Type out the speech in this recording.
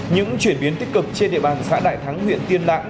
những chuyển biến tích cực trên địa bàn xã đại thắng huyện tiên lãng